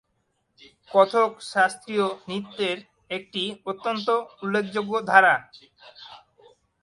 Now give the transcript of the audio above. কথক শাস্ত্রীয় নৃত্যের একটি অত্যন্ত উল্লেখযোগ্য ধারা।